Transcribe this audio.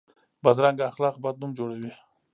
بدرنګه اخلاق بد نوم جوړوي